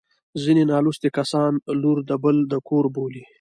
ځیني نالوستي کسان لور د بل د کور بولي